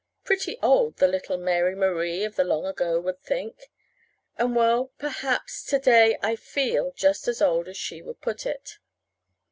Pretty old, little Mary Marie of the long ago would think. And, well, perhaps to day I feel just as old as she would put it.